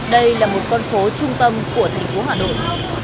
đây là một con phố trung tâm của thành phố hà nội